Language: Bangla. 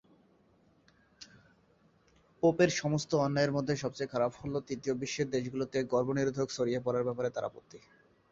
পোপের সমস্ত অন্যায়ের মধ্যে সবচেয়ে খারাপ হল তৃতীয় বিশ্বের দেশগুলিতে গর্ভনিরোধক ছড়িয়ে দেওয়ার ব্যাপারে তার আপত্তি।